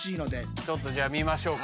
ちょっとじゃあ見ましょうか。